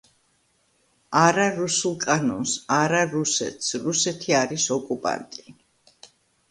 არა რუსულ კანონს! არა რუსეთს!! რუსეთი არის ოკუპანტი!